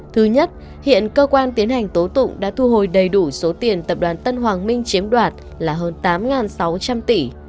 thứ nhất hiện cơ quan tiến hành tố tụng đã thu hồi đầy đủ số tiền tập đoàn tân hoàng minh chiếm đoạt là hơn tám sáu trăm linh tỷ